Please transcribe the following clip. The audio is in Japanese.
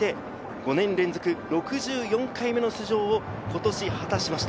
５年連続６４回目の出場を果たしました。